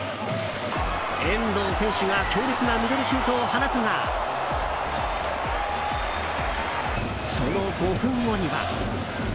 遠藤選手が強烈なミドルシュートを放つがその５分後には。